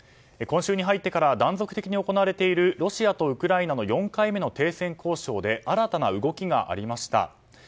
今週に入ってから断続的に行われているロシアとウクライナの４回目の停戦交渉で新たな動きがありました。